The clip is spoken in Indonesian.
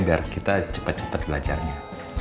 biar kita cepet cepet belajarnya